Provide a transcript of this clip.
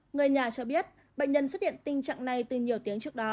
người nhà cho biết bệnh nhân xuất hiện tình trạng này từ nhiều tiếng trước đó